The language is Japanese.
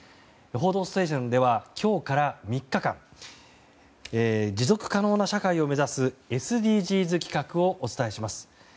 「報道ステーション」では今日から３日間持続可能な社会を目指すＳＤＧｓ企画をお伝えします。